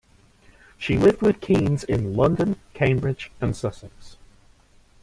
She lived with Keynes in London, Cambridge and Sussex.